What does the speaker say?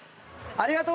ありがとう！